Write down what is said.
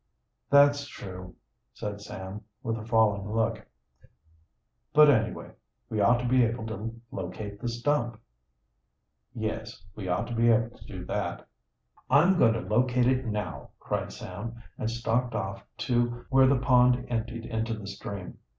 "That's true," said Sam, with a falling look. "But, anyway, we ought to be able to locate the stump." "Yes, we ought to be able to do that." "I'm going to locate it now," cried Sam, and stalked off to where the pond emptied into the stream.